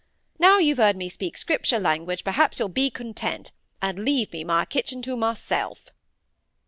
Now you've heard me speak Scripture language, perhaps you'll be content, and leave me my kitchen to myself."